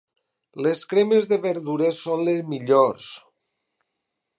Les cremes de verdures són les millors.